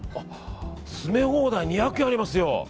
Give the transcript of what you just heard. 詰め放題２００円ありますよ。